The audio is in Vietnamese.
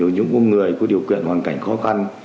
những người có điều kiện hoàn cảnh khó khăn